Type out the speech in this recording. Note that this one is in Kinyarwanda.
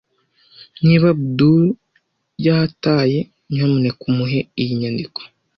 Niba Abudul yataye, nyamuneka umuhe iyi nyandiko.